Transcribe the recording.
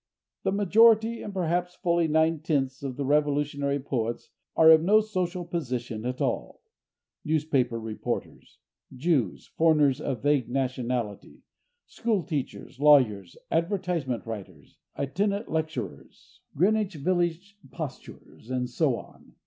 The majority, and perhaps fully nine tenths of the revolutionary poets are of no social position at all—newspaper reporters, Jews, foreigners of vague nationality, school teachers, lawyers, advertisement writers, itinerant lecturers, Greenwich Village posturers, and so on.